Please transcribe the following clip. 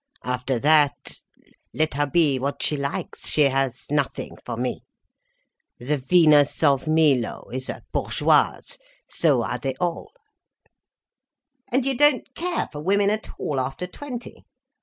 After that—let her be what she likes, she has nothing for me. The Venus of Milo is a bourgeoise—so are they all." "And you don't care for women at all after twenty?"